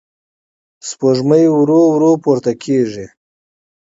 سپوږمۍ ورو ورو پورته کېږي.